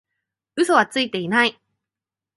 嘘はついてない